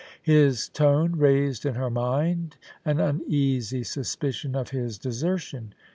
His tone raised in her mind an uneasy suspicion of his desertion.